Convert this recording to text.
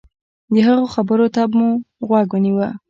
د هغه خبرو ته به مو غوږ نيوه.